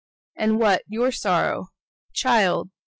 And what your sorrow? Child!